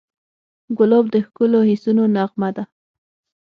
ګلاب د ښکلو حسونو نغمه ده.